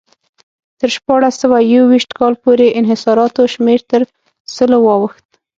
تر شپاړس سوه یو ویشت کال پورې انحصاراتو شمېر تر سلو واوښت.